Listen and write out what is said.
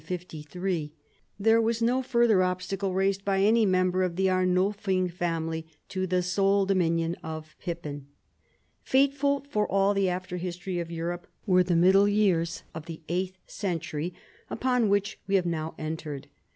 There was no further obstacle raised by any member of the Arnulfing family to the sole domination of Pippin. Fateful for all the after history of Europe were the middle years of the eighth century, upon which we have now entered.